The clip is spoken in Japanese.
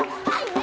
はい！